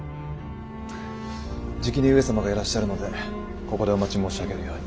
じきに上様がいらっしゃるのでここでお待ち申し上げるように。